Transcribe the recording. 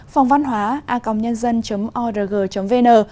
phòng văn hóa a công nhân tư